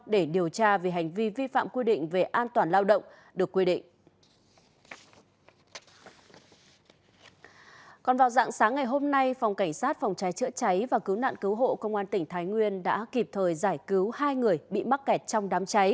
để điều tra về hành vi vi phạm quy định về an toàn lao động